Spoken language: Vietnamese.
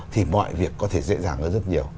thì mọi việc có thể dễ dàng hơn rất nhiều